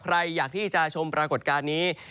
ใครอยากที่จะชมปรากฏการณ์นี้